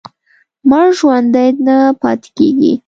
مړ ژوندی نه پاتې کېږي.